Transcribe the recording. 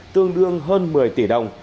tương đương hơn một mươi tỷ đồng